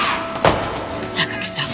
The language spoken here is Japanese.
「榊さん